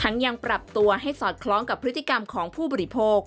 ยังปรับตัวให้สอดคล้องกับพฤติกรรมของผู้บริโภค